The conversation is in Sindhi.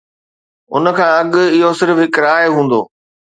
ان کان اڳ، اهو صرف هڪ راء هوندو